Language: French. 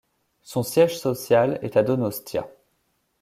Son siège social est à Donostia.